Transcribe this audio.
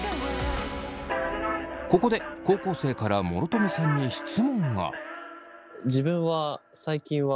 ここで高校生から諸富さんに質問が。